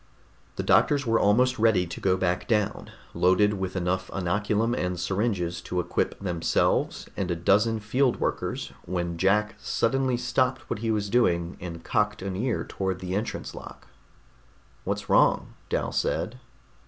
The doctors were almost ready to go back down, loaded with enough inoculum and syringes to equip themselves and a dozen field workers when Jack suddenly stopped what he was doing and cocked an ear toward the entrance lock. "What's wrong?" Dal said.